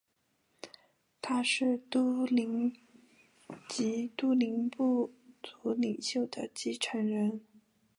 他是都灵及都灵部族领袖的继承人。